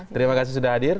terima kasih sudah hadir